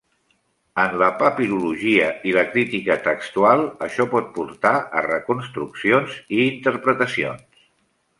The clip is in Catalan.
En la papirologia i la crítica textual això pot portar a reconstruccions i interpretacions.